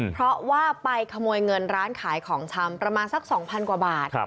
เพราะว่าไปขโมยเงินร้านขายของชำประมาณสัก๒๐๐กว่าบาท